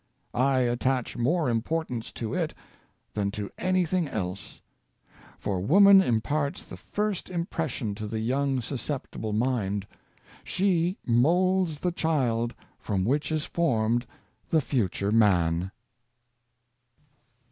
I attach more importance to it than to anything else; for woman imparts the first im pression to the young susceptible mind; she moulds the child from which is formed the future man."